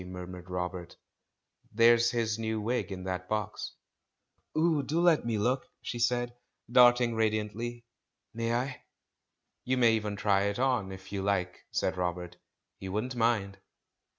murmured Robert; "there's his new wig in that box." "Oh, do let me look!" she said, darting radiant ly. "May I?" "You may even try it on, if you like," said Robert; "he wouldn't mind."